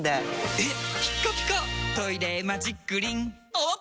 えっ！